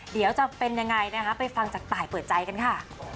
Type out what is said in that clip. เดี๋ยวจะเป็นยังไงนะคะไปฟังจากตายเปิดใจกันค่ะ